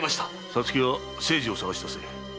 皐月は清次を捜し出せ。